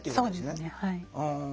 そうですねはい。